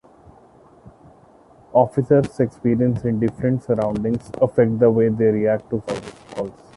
Officers' experience in different surroundings affect the way they react to service calls.